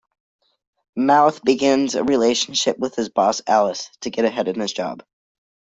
Mouth begins a relationship with his boss Alice, to get ahead in his job.